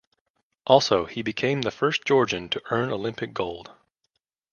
Also, he became the first Georgian to earn Olympic Gold.